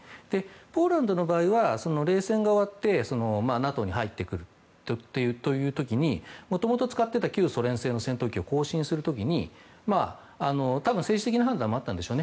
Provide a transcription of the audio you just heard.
ポーランドの場合は冷戦が終わってＮＡＴＯに入ってくるという時にもともと使っていた旧ソ連製の戦闘機を更新する時に多分、政治的な判断もあったんでしょうね。